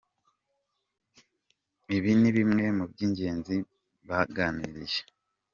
Ibi ni bimwe mu by’ingenzi baganiriye.